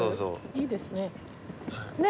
（いいですね。